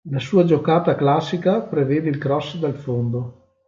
La sua giocata classica prevede il cross dal fondo.